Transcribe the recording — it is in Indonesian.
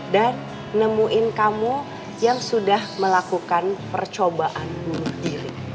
dan nemuin kamu yang sudah melakukan percobaan bunuh diri